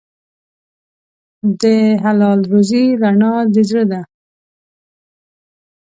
د حلال روزي رڼا د زړه ده.